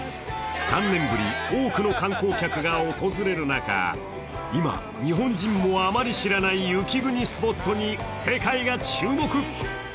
３年ぶり、多くの観光客が訪れる中、今、日本人もあまり知らない雪国スポットに世界が注目。